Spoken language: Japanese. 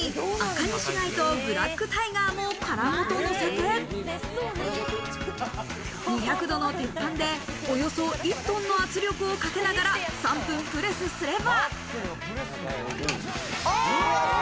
さらに、アカニシ貝とブラックタイガーも殻ごとのせて、２００度の鉄板でおよそ１トンの圧力をかけながら３分プレスすれば。